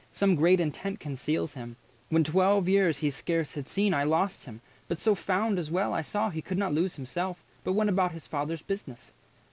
Some great intent Conceals him. When twelve years he scarce had seen, I lost him, but so found as well I saw He could not lose himself, but went about His Father's business.